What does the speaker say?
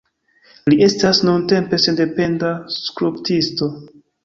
Li estas nuntempe sendependa skulptisto.